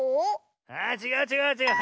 あちがうちがうちがう。